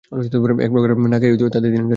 এক প্রকার না খেয়েই তাদের দিন কাটছে।